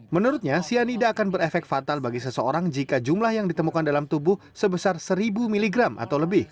menurutnya cyanida akan berefek fatal bagi seseorang jika jumlah yang ditemukan dalam tubuh sebesar seribu mg atau lebih